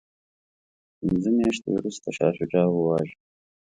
پنځه میاشتې وروسته شاه شجاع وواژه.